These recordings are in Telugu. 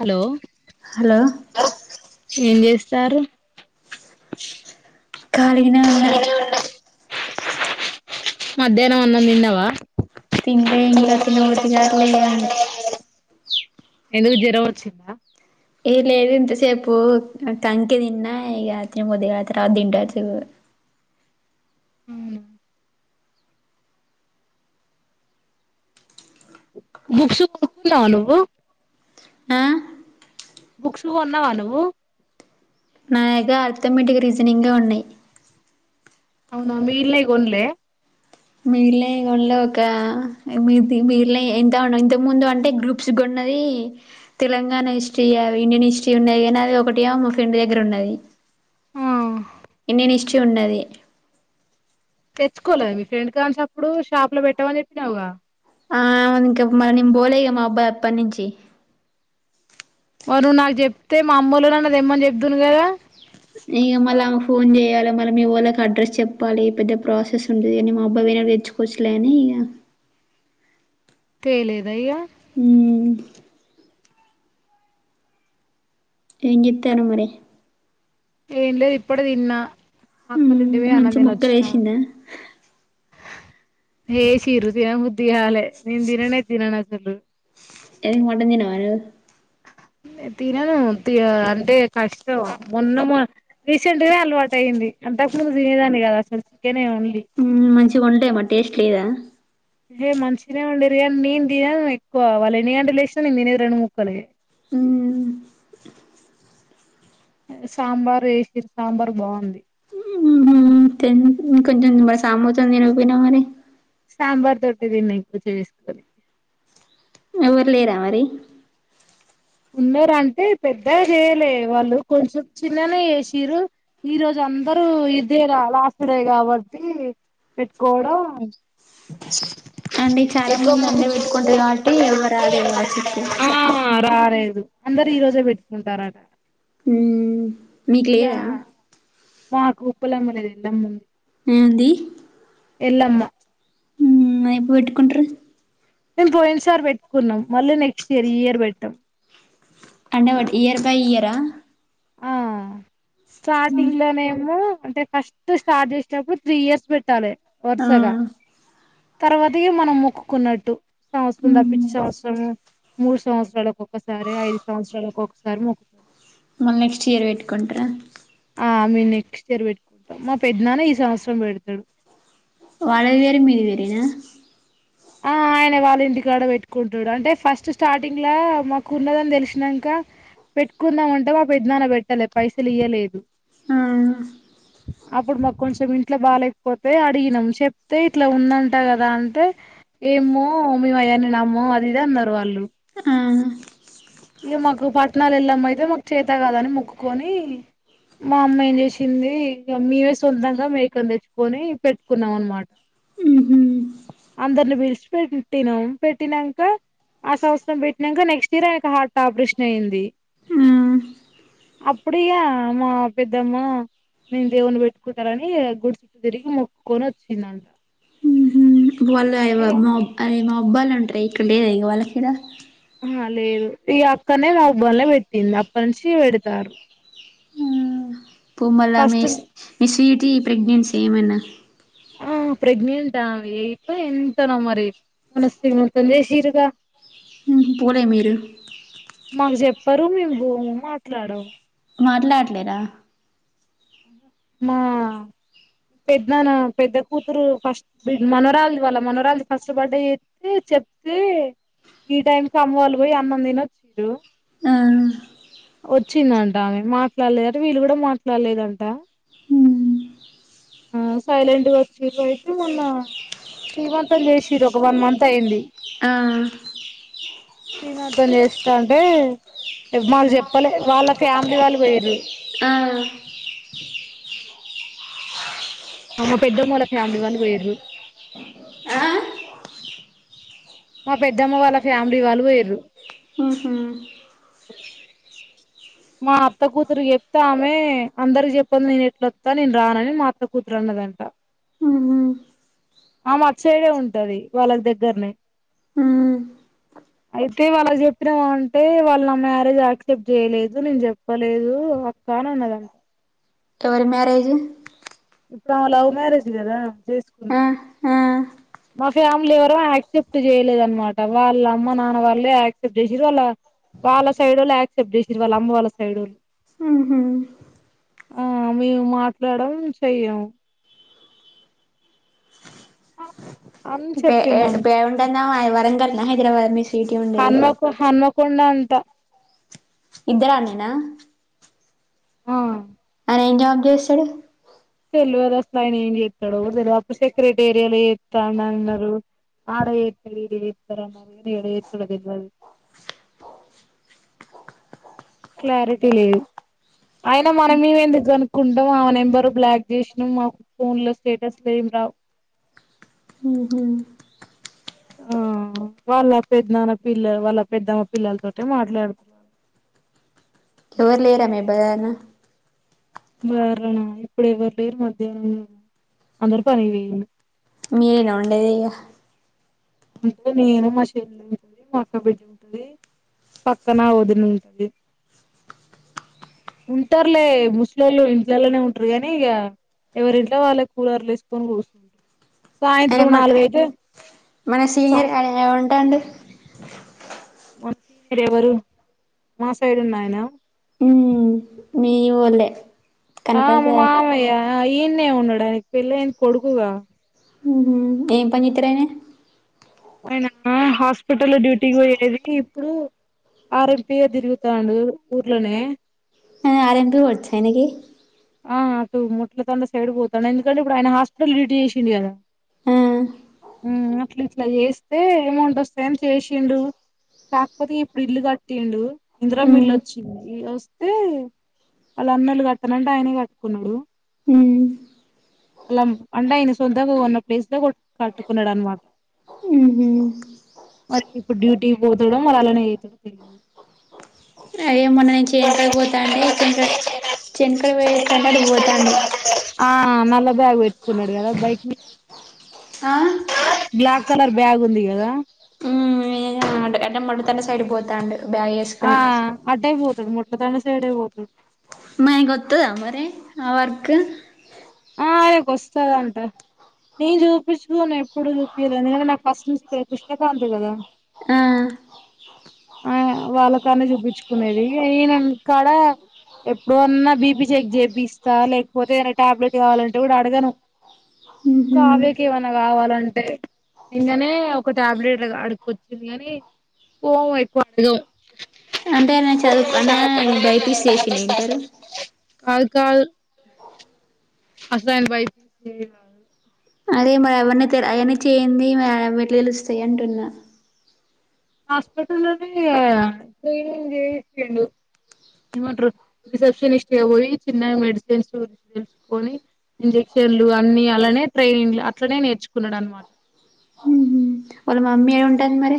హలో హలో ఏం చేస్ తారు కాళిగానే ఉన్న మధ్యాహ్నం అన్నం దిన్నవా తిన్లే ఇంకా తినబుద్ధిగాట్లే ఏమైందే ఎందుకు జరవచ్చిందా. ఏ లేదు ఇంతసేపు కంకే దిన్న. ఇగ తినబుద్ధి కా త్ర్వాత దింటా [unintelligible] అవునా బుక్స్ కొనుక్కున్నావా నువ్వు ఆ బుక్స్ కొన్నావా నువ్వు నాయగ ఆర్థమెటిక్, రీజనింగే ఉన్నాయి. అవునా మీగిల్నై గోన్లే మీగిల్నాయ్ రెండ్ ఒక మీ తి మీగిల్నాయ్ ఎంతఉండ్ ఇంతకు ముందు అంటే గ్రూప్స్ కొన్నది. తెలంగాణ హిస్రీ, ఇండియన్ హిస్రీ ఉన్నది. కానీ అది ఒకటి మా ఫ్రెండ్ దగ్గర ఉన్నది. ఎన్నీ నిస్టూలూన్నది. తెచ్చుకోలేదా. మీ ఫ్రెండ్ కానించప్పుడు. షాప్ లో పెట్టామని చెప్పినావుగా. ఆ [unintelligible] ఇంకా మల్లా నేను బోలే ఇగా మబాద్ అప్పట్నుంచి. మార్నువ్వు నాకు చెప్తే మా అమ్మోలనన్న దేమ్మని చెప్దును గదా. ఇగ మళ్ళమె ఫోన్ చేయ్యాల, మళ్ళ మీ ఓళకి అడ్రస్ చెప్పాలి, పెద్ద ప్రాసెస్ ఉంటది. ఇగ నిన్ మబాద్ పోయినప్డు తెచ్చుకోచ్చులే. అని ఇగా తెేలేదయిగా హ్మ్ ఏం జెత్తరు మరే ఏం లేద్ ఇప్పుడే తిన్నా మా అక్కోళ్ళ ఇంటికి మ్మ్ పోయి అన్నం మంచిగ తిని ముక్కలు వచ్చిన. ఏసిందా ఏసిర్రు తినబుద్ దిగాలే నేన్ దిననే తిననస్ సలు ఏం మంటన్ దినామర్నువ్ తినను తి అంటే కష్టం. మొన్న మోన్ రీసెంట్గా అలవాటు అయ్యింది. అంతకు ముందు తినేదాన్ని కద్ అసలు చికెనే ఓన్లీ. మంచిగా ఉంటాయి. మా టేస్ట్ లేదా ఏ మంచిగానే వండిరు గానీ నేను తినను ఎక్కువ. వాళ్ళు ఎన్నీ గంటేలేసినా నేను తినేది రెండు ముక్కలే. మ్మ్ సాంబార్ వేసిరి సాంబార్ బాగుంది కొంచెం సామూస్ందిరుపోయిన మరి సాంబార్ తోటి తిన్ని ఇకువ చేసుకొని ఎఊర్లే రా మరి ఉన్నారుార అంటే పెద్ద చేయలే వాళ్ళు కొంచెం చిన్ననే చేసిరు ఈరోజు అందరూ ఇదేరా లాస్ట్ డే కాబట్టి పెట్టుకోవడం అండి చాలా మంది అండే పెట్టుకుంటారు కాబట్టి ఎవరు ఆడే కావచ్చు ఎక్కువ దు అందరుూ ఈ రోజే పెట్టుకుంటారట హ మీకు లేదా మాకుప్పలమ్మనేది ఎల్లమ్ముంది ఏ ఉంది ఎలమ్మా ఇ పో పెట్టుకుంట మేము పోయిన సార్ పెట్టుకున్నాం మళ్ళీ నెక్స్ట్ ఇయర్ ఈ ఇయర్ పెట్టాం అండవాడు ఇయర్ బై ఇయరా ఆ స్టార్టింగ్ లోనేమో అంటే ఫస్ట్ స్టార్ట్ చేసటప్పుడు త్రీ ఇయర్స్ పెట్టాలి ఆ వర్సగా తర్వాత మనం మొక్కున్నట్టు వస్తుందా పిచ్చస్తు మూడు సంవత్సరాలకుక్కసారి ఐదు సంవత్సరాలకుక్కసారి మొక్కుతుంది మళ్ళీ నెక్స్ట్ ఇయర్ పెట్టుకుంటారా ఆ ఐ మీన్ నెక్స్ట్ ఇయర్ పెట్టుకుంటాం మా పెద్దనాన్న ఈ సంవత్సరం పెడతాడు వలది వేరు మీది వేరనా ఆ ఆయన వాళ్ళ ఇంటికాడ పెట్టుకుంటాడు అంటే ఫస్ట్ స్టార్టింగ్ మాకు ఉన్నదని తెలిసినాక పెట్టుకుందాం అంటే మా పెద్దనాన్న పెట్టలే పైసలు ఇవయలేదు ఆ అప్పుడు మాకు కొంచెం ఇంట్లో బాలేకపోతే అడిగినము చెప్తే ఇట్లా ఉందంటా కదా అంటే ఏమో మీ అయనే నామ్మో అదిదే అన్నారు వాళ్ళు ఆ ఇక మాకు పట్టణాలు వెళ్ళామ అయితే మాకు చేత కాదని మొక్కుకొని మా అమ్మాయి ఏం చేసింది ఇక మవే సొంతంగా మేకని తెచ్చుకొని పెట్టుకున్నాం అనమాట ఉహు అందరిని పిలిచి పెట్టినాము పెట్టినాక ఆ సంవత్సరం పెట్టినాక నెక్స్ట్ ఇయర్ ఆయన హట్ టాపరేషన్ అయింది ఆ అప్పుడక మా పెద్దమ్మ నేను దేవుని పెట్టుకుంటారని గుడి చట్టటు తిరిగి మొక్కుకొని వచ్చిందంట వాళ్ళ అ ఇగ మా అ మా అబ్బాలు ఉంటా ఇక్కడ లేద ఇ వాళ్ళకిడ ఆ లేదు ఈ అక్కనే మా బబల్నే పెట్టింది అప్ప నుంచి పెడతారు పూ మల్ల మీ ఫస్ట్ మీ స్వీట్ టీ ప్రెగ్నెన్సీ ఏమన్నా ఆ ప్రెగ్నెంటా వెయిపో ఎంతనో మొన్న శ్రీమంతం జేసీరుగా. మ్మ్ హు పోలే మీరు పరు మేము బోము మాట్లాడం మాట్లాడట్లేరా మా పెద్దనాన్న పెద్ద కూతురు ఫస్ట్ బిడ్ మనవరాల్దివాళ్ళ మనవరాల్ది ఫస్ట్ బర్డే ఎత్తే చెప్తే ఈ టైంకి అమ్మవాళ్ళు పోయి అన్నం తిని వచ్చిర్రు, ఆ వచ్చిందంట ఆమె మాట్లాడలేదట వీళ్ళు కూడా మాట్లాడలేదం ట ఆ సైలెంట్గా వచ్చిర్రు అయితే మొన్న శ్రీమంతం చేసిర్రు ఒక వన్ మంత్ అయింది. ఆ శ్రీమంతం చేస్తంటే మాకు చెప్పలే వాళ్ళ ఫ్యామిలీ వాళ్ళు పోయిర్రు. ఆ అ మా పెద్దమ్మ వాళ్ల ఫ్యామిలీ వాళ్ళు వోయిర్రు ఆ ఉహు ఓహో మా అత్త కూతురు చెప్తే ఆమె అందరికి చెప్పంది నేను ఎట్ల వత్తా నేను రానని మా అత్త కూతురు అన్నదంట, ఉహు ఆమె అటు సైడే ఉంటది వాళ్ళకి దగ్గరనే ఉ అయితే వాళ్ళకు చెప్పినావ అంటే వాళ్ళు నా మ్యారేజ్ యాక్సెప్ట్ చేయలేదు. నేను జెప్పలేదు అక్క అనన్నదంట ఎవరి మ్యారేజు ఇప్పుడామ లవ్ మ్యారేజ్ గదా ఆ చేసుకుంది ఆ మా ఫ్యామిలీ ఎవరం యాక్సెప్ట్ చేయలేదనమాట, వాళ్ళ అమ్మ నాన్న వాళ్ళే యాక్సెప్ట్ చేసిర్రు వాళ్ళ వాళ్ళ సైడోళ్ళు యాక్సెప్ట్ చేసిర్రు వాళ్ళ అమ్మ వాళ్ళ సైడోళ్ళు, ఉహు ఆ మేం మాట్లాడం చెయ్యం. పే ఏ పే ఉంటన్నం అయి వరంగల్ హైదరాబాద్ మీస్ హన్మకు హన్మకొండ అం ట ఇద్దరానేనా ఆ [unintelligible] ఏం జాబ్ చేస్తడు తెల్వదు అసలాయన ఏం చేత్తడో గూడ తెల్వ అప్పుడు సెక్రటేరియాలో చేత్తాన్నాన్నరు ఆడ ఏత్తరు, ఈడ ఏత్తరు అన్నారు గాని ఏడు చేత్తడో తెల్వదు. క్లారిటీ లేదు అయిన మన మేమెందుకు కనుకుంటాం ఆమె నెంబర్ బ్లాక్ జేసినం మాకు ఫోన్ లో స్టేటస్లు ఏం రావ్. ఉహు ఆ వాళ్ళ పెద్నాన్న పిల్ల వాళ్ళ పెద్దమ్మ పిల్లలతోటే మాట్లాడుతున్నారు. ఎవరు లేరా మీ బదానా బారనా ఇప్పుడు ఎవరు లేరు మధ్యాహ్నం అందరు పని పొయండు మీరా ఉండేది ఇగ ఉంటరులే ముసలోళు ఇంట్లలోనే ఉంటారు గానీ ఇగ ఎవరింట్లో వాళ్ళే కూలర్లేసుకొని కూసుంటరు ఆయన సాయంత్రం మన నాలుగైతే, మన సీనియర్ [inaudible] ఏమంటాండు [inaudible] ఎవరు మా సైడున్నాయన ఉమ్ మీ వోలే ఆ మ మామయ్య ఆ ఈన్నే ఉండాడు ఆయనకి పెళ్ళైంది కొడుకుగా ఊహూ ఏం పనిత్రరనే ఆయన హాస్పటలో డ్యూటీకి బొయేది ఇప్పుడు ఆరంపిగా తిరుగుతాండు ఊర్లోనే ఆ ఆరెంటు వచ్చనిగి ఆ అటు ముట్ల తండ సైడ్ పోతాండు ఎందుకంటే ఇప్పుడు ఆయన హాస్పిటల్ డ్యూటీ చేసిండు కదా ఆ మ్మ్ అట్ల ఇట్ల చేస్తే ఎమౌంట్ వస్తాయని చేసిండు కాకపోతే ఇప్పుడు ఇల్లు కట్టిండు ఉమ్ ఇందిరమ్మిల్లు ఒచ్చింది వస్తే వాళ్ళన్నలు. [unintelligible] ఆయనే కట్టుకున్నాడు ఉమ్ అల అంటే ఆయన సొంతగా కొన్న ప్లేస్ లో కట్టుకున్నడనమాట, ఉహు మరి ఇప్పుడు డ్యూటీ బోతడో మరి అల్లనేజేతాడో తెలీదు. అదే మొన్న నేను చేనుకాడి పోతాంటే చేనకడ చేనకడ పొయ్యేసి [inaudible] అటు పోతాండు. ఆ నల్ల బ్యాగ్ పెట్టుకున్నాడు గదా బైక్ మీద ఆ బ్లాక్ కలర్ బ్యాగుంది గదా అండ్ ఎండ మండుతండ సైడ్ పోతాండు బ్యాగ్ ఆ వేసుకుని అడ్డే పో ముట్ల తాండ సైడే పోతడు మై కొత్తదా మరే ఆ వర్క్ ఆ అయకొస్తదంట నేను చూపిచుకోను ఎప్పుడు చూపీల ఎందుకంటే నాకు ఫస్ట్ నుంచి కృష్ణకాంత్ కదా. ఆ ఆ వాళ్ళ కాన్నే చూపిచుకునేది, ఇగ ఈనంక్కాడ ఎప్పుడన్నా బి పి చెక్ చేపిస్తా లేకపోతే ఆయన టాబ్లెట్ గావాలంటే గూడ అడగను మ్మ్ కావ్యాకి ఏమన్నా గావాలంటే నిన్ననే ఒక టాబ్లెట్లు అడుకొచ్చింది గానీ పోము ఎక్కువ అడగం. అంటే నేన్ చదువుకొనే బైపీస్ చేసిండు ఇంటరు కాదు కాదు అసాన్ బై అరే మరి ఎవన్న అవన్నీ చేయ్యంది మరవెట్ల తెలుస్తయి అంటున్నా హాస్పిటల్నే ట్రైనింగ్ చేశిండు ఎమంట్రు రిసెప్షనిస్ట్ పోయి చిన్న మెడిసిన్స్ తెసుకొని ఇంజెక్షన్లు అన్ని అలానే ట్రైనింగ్ అట్లానే నేర్చుకున్నాడు అనమాట మ్హ్ వాళ్ళ మమ్మీ ఏ ఉంటాంది మరి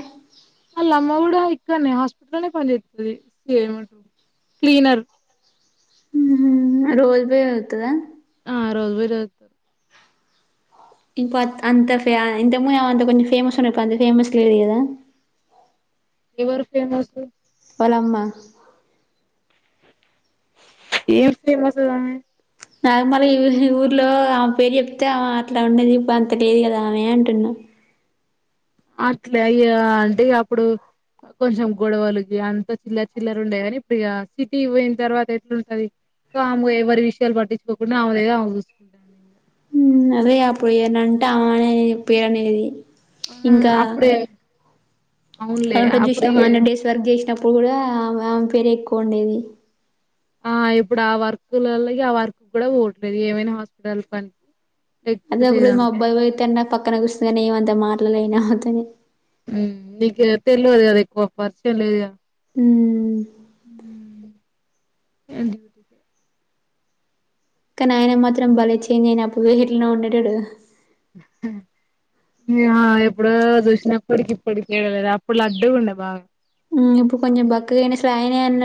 లమ్మ గూడా ఇక్కనే హాస్పిటల్నే పనిజేత్తది స క్లీనర్ మ్ రోజు బాయి రోజ్ ఒత్తదా ఆ రోజు బొయ్ రో ఇ అంత ఫ మూ అ కొంచం ఫేమస్ ఇప్ప అంత ఫేమస్ లేది గదా వరు ఫేమస్ వాలమ్మ ఏం ఫేమస్ [unintelligible] నాగమళ ఊర్లో ఆమె పేరు చెప్తే ఆమె అట్లా ఉండేది అంత లేదు కదా ఆవె అంటున్నా అట్లే అయ్యా అంటేక అప్పుడు కొంచెం గొడవలుకి అంత చిల్లరి చిల్లర ఉండే గని ఇప్పుడు ఇక సిటీ పోయిన తర్వాత ఎట్లాంటంది ఇ ఆము ఎవరి విషయాలు పట్టించుకోకుండా ఆమె దగ్గర ఆమె చూసుకుంటా ఇ అదే అప్పుడు ఏరనంటే ఆనే పేరు అనేది ఆ ఇంకా అప్పుడే అవునులే అదంటా అప్పుడే చూసినాం హండ్రెడ్ డేస్ వర్క్ చేశ్నప్పుడు కూడా పెరెక్కు వుండేది ఆ ఇప్పుడు ఆ వర్కులల్ల ఇగ ఆ వర్క్ కూడా వోట్లేదు ఏమైనా హాస్పిటల్ కనె అద ఒక్ర మా అబ్బాయిత పక్కన కుసున్న ఏం అంత మా లైనాతనే మ్ నీక తెల్వదు కదా ఎక్కువ పరిచయం లేదు కద మ్ మ్ ఏంటి క న అయన మాత్రం బలె చేంజ్ అయి న్ అప్పుడ్ ఎట్లొ ఉండెటోడు ఆ ఎప్పుడో చూశినప్పటికి ఇప్పటికదు అప్పుడు లడ్డుగుండె బాగా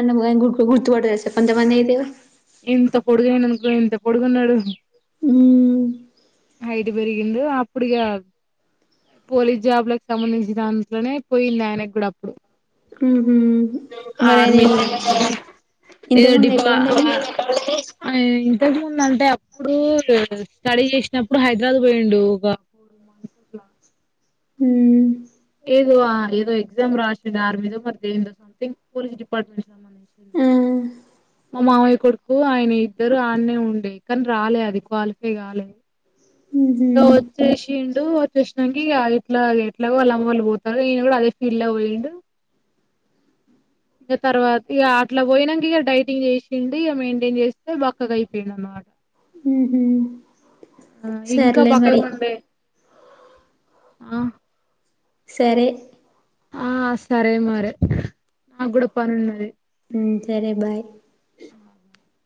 న గుర్తుపడ చెప్పంత మందిదతె ఎంత పొడుగయననుకో ఎంత పొడుగున్నాడు మ్ పెరిగింది అప్పుడిగా పోలీస్ జాబ్ లకు సంబంధించిన దాంట్లోనే పోయింది ఆయనకు గుడ అప్ప్డు మ్ ఆర్మీ ఇంతకు ఏదొ ముందు ఎక్కడ డిపా ఉండే ఆయన ఆ ఇంతకు ముంద అంటే అప్పుడు స్టడీ చేసినప్పుడు హైదరాబాద్ పోయిండు ఒక ఫోర్ మంత్స్ అట్లా మ్ ఏదో ఆ ఏదో ఎగ్జామ్ రాసింది ఆర్ మీదో మరి దందో సంథింగ్ పోలీస్ డిపార్ట్మెంట్ ఆ మా మావయ్య కొడుకు ఆయనె ఇద్దరు ఆన్నే ఉ కనీ రాలే అది క్వాలిఫై గాలే ఉహు ఒచ్చశిండు వచ్చె నికి ఇట్లా ఎట్లా వాళ్ళ అమ్మ వాళ్ళ పోతారు నయను కూడా అదే ఫీల్డ్ ల వోయిండు ఇక తర్వాత ఇక అట్లా పోయినాక ఇక డైటింగ్ చేశిండు ఇక మెయింటైన్ చేస్తే బక్కగా అయిపోయిండు అనమాట ఉహు ఆ ఇంకా సర్లే మరి బక్కగుండే ఆ సరే ఆ సరే మరే, నాకు గుడ పని ఉన్నది. ఊ చరే బాయ్. [inaudible]